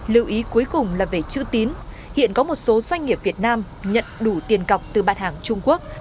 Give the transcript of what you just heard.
lưu ý cuối cùng là về chữ tín hiện có một số doanh nghiệp việt nam nhận đủ tiền cọc từ bản hàng trung quốc